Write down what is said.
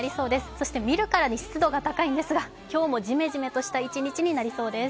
そして見るからに湿度が高いんですが今日もジメジメした一日になりそうです。